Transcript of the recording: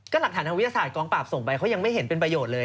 หลักฐานทางวิทยาศาสตกองปราบส่งไปเขายังไม่เห็นเป็นประโยชน์เลย